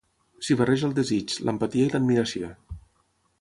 S'hi barreja el desig, l'empatia i l'admiració.